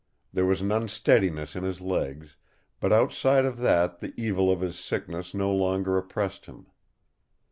There was an unsteadiness in his legs, but outside of that the evil of his sickness no longer oppressed him.